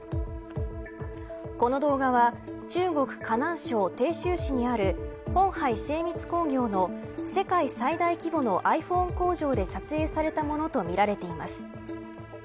この動画は中国、河南省鄭州市にある鴻海精密工業の世界最大規模のｉＰｈｏｎｅ工場で撮影されたものとみられています。